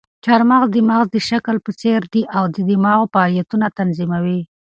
چهارمغز د مغز د شکل په څېر دي او د دماغو فعالیتونه تنظیموي.